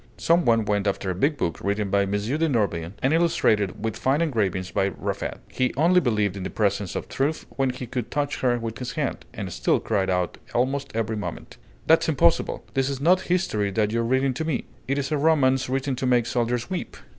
Some one went after a big book, written by M. de Norvins and illustrated with fine engravings by Raffet. He only believed in the presence of Truth when he could touch her with his hand, and still cried out almost every moment, "That's impossible! This is not history that you are reading to me: it is a romance written to make soldiers weep!"